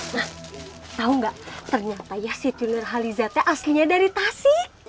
nah tau nggak ternyata ya si tinur halizatnya aslinya dari tasik